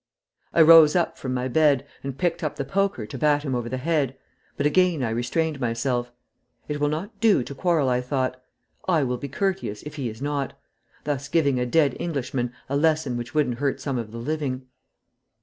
I rose up from my bed, and picked up the poker to bat him over the head, but again I restrained myself. It will not do to quarrel, I thought. I will be courteous if he is not, thus giving a dead Englishman a lesson which wouldn't hurt some of the living.